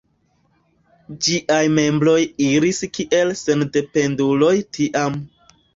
Ĝiaj membroj iris kiel sendependuloj tiam.